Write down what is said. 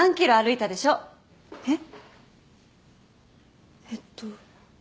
えっ？えっと。